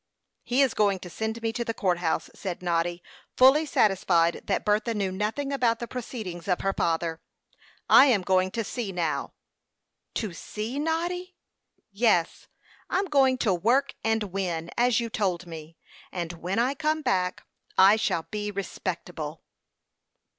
"He is going to send me to the court house," said Noddy, fully satisfied that Bertha knew nothing about the proceedings of her father. "I am going to sea, now." "To sea, Noddy?" "Yes, I'm going to work and win, as you told me, and when I come back I shall be respectable."